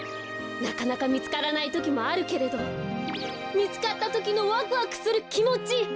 なかなかみつからないときもあるけれどみつかったときのワクワクするきもち！